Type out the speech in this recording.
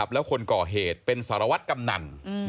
แล้วคนก่อเหตุเป็นสารวัตรกำนัน